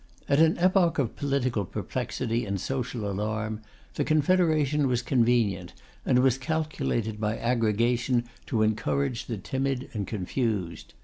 At an epoch of political perplexity and social alarm, the confederation was convenient, and was calculated by aggregation to encourage the timid and confused.